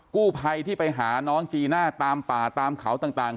กู้ภัยที่ไปหาน้องจีน่าตามป่าตามเขาต่าง